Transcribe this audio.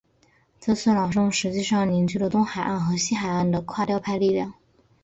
这次朗诵实际上凝聚了东海岸和西海岸的垮掉派力量。